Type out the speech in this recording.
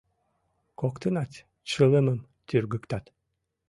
Коктынат чылымым тӱргыктат.